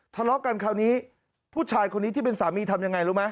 ทะเลาะกันคราวนี้ผู้ชายคนนี้ที่เป็นสามีทำยังไงรู้ไหม